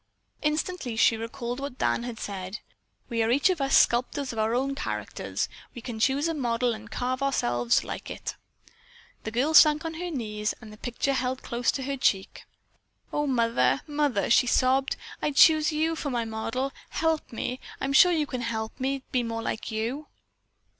Instantly she recalled what Dan had said: "We are each of us sculptors of our own characters. We can choose a model and carve ourselves like it." The girl sank on her knees, the picture held close to her cheek. "Oh, mother, mother!" she sobbed, "I choose you for my model. Help me; I am sure you can help me to be more like you."